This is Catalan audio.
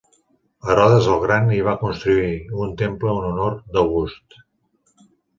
Herodes el Gran hi va construir un temple en honor d'August.